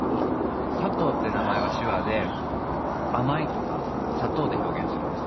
佐藤って名前は手話で「甘い」とか「砂糖」で表現するんです。